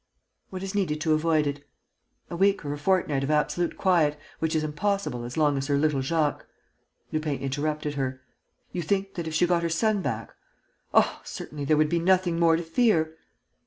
"What is needed to avoid it?" "A week or a fortnight of absolute quiet, which is impossible as long as her little Jacques...." Lupin interrupted her: "You think that, if she got her son back...." "Oh, certainly, there would be nothing more to fear!"